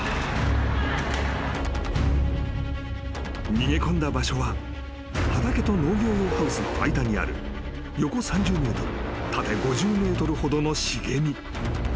［逃げ込んだ場所は畑と農業用ハウスの間にある横３０ｍ縦５０ｍほどの茂み］